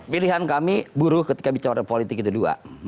pilihan kami buruh ketika bicara politik itu dua